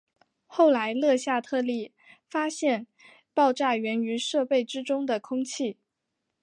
后来勒夏特列发现爆炸缘于设备之中的空气。